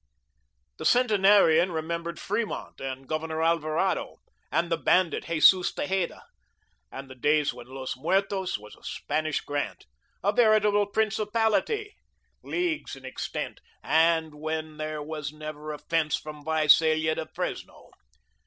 The centenarian remembered Fremont and Governor Alvarado, and the bandit Jesus Tejeda, and the days when Los Muertos was a Spanish grant, a veritable principality, leagues in extent, and when there was never a fence from Visalia to Fresno.